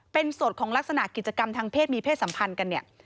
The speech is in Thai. เป็นสดของลักษณะกิจกรรมทางเพศมีเพศสัมพันธ์กันเนี่ย